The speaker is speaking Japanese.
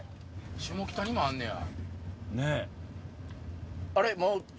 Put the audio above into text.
下北にもあんねや。